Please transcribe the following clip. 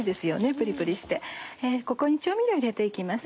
プリプリしてここに調味料を入れて行きます。